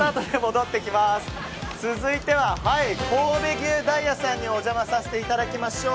続いては、神戸牛ダイアさんにお邪魔させていただきましょう。